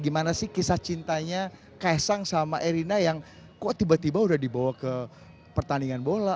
gimana sih kisah cintanya kaisang sama erina yang kok tiba tiba udah dibawa ke pertandingan bola